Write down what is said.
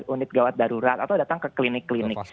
unit gawat darurat atau datang ke klinik klinik